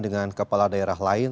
dengan kepala daerah lain